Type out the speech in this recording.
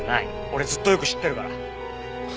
俺ずっとよく知ってるから。